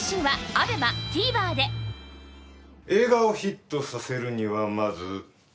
映画をヒットさせるにはまず。